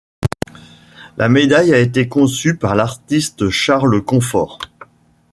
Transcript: La médaille a été conçue par l'artiste Charles Comfort.